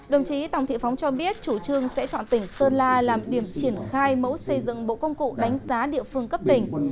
đồng chí tòng thị phóng cho biết chủ trương sẽ chọn tỉnh sơn la làm điểm triển khai mẫu xây dựng bộ công cụ đánh giá địa phương cấp tỉnh